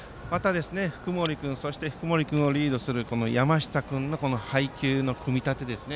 福盛君そして福盛君をリードする山下君の配球の組み立てですね。